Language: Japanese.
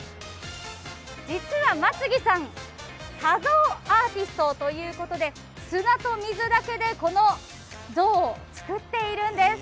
実は松木さん砂像アーティストということで砂と水だけで、この像を作っているんです。